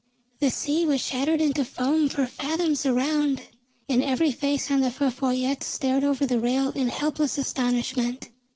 The sea was shattered into foam for fathoms around, and every face on the Feu Follette stared over the rail in helpless astonishment.